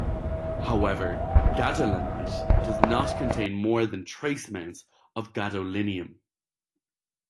However, gadolinite does not contain more than trace amounts of gadolinium.